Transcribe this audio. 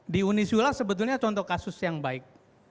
di uniswila sebetulnya contoh kasus yang baik